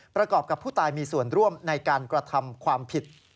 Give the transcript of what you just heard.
ประกอบกับผู้ตายมีส่วนร่วมในการกระทำความผิด